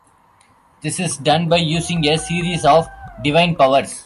This is done by using a series of divine powers.